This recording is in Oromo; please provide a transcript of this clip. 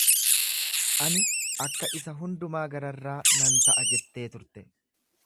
Ani akka isa Hundumaa Gararraa nan ta’a jettee turte.